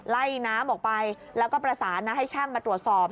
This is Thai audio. ไล่น้ำออกไปแล้วก็ประสานนะให้ช่างมาตรวจสอบ